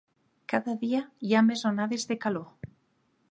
Cada dia hi ha més onades de calor.